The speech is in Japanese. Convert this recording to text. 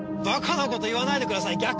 バカなこと言わないでください！